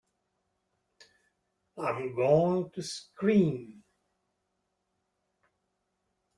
I'm going to scream!